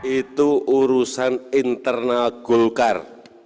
itu urusan internal golkar